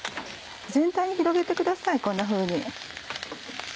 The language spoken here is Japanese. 全体に広げてくださいこんなふうに。